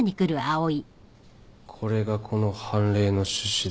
これがこの判例の趣旨だ。